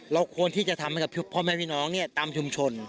ควรที่จะทำให้กับพ่อแม่พี่น้องตามชุมชน